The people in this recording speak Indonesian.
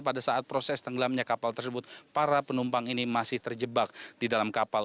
pada saat proses tenggelamnya kapal tersebut para penumpang ini masih terjebak di dalam kapal